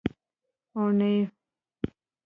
اونۍ